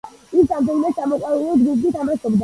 ის რამდენიმე სამოყვარულო ჯგუფში თამაშობდა.